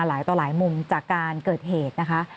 หลายต่อหลายมุมจากการเกิดเหตุนะคะ